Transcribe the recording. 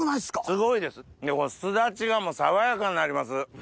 すごいですこのすだちが爽やかになります。